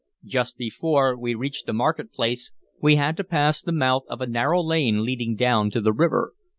Just before we reached the market place we had to pass the mouth of a narrow lane leading down to the river.